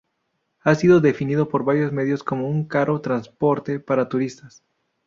Ha sido definido por varios medios como un caro transporte para turistas.